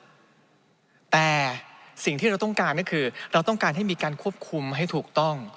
แต่สิ่งที่เราต้องการก็คือเราต้องการให้มีการควบคุมให้ถูกต้อง